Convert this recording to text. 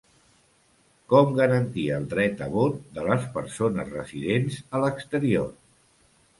Com garantir el dret a vot de les persones residents a l'exterior?